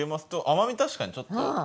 甘み確かにちょっと。